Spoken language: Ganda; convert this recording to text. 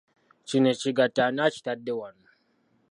Kino ekigatto ani akitadde wano?